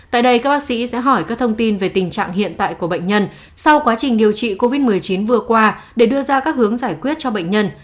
tại đây các bác sĩ sẽ hỏi các thông tin về tình trạng hiện tại của bệnh nhân sau quá trình điều trị covid một mươi chín vừa qua để đưa ra các hướng giải quyết cho bệnh nhân